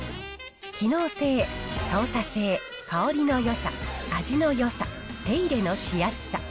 機能性、操作性、香りのよさ、味のよさ、手入れのしやすさ。